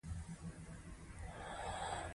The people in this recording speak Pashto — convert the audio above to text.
هغه تر ما غوره تمرکز کوي.